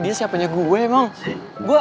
dia siapanya gue emang